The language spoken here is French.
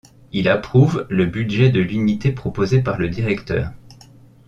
Il approuve le budget de l’unité proposé par le Directeur.